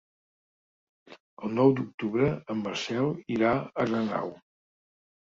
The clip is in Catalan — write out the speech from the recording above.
El nou d'octubre en Marcel irà a Renau.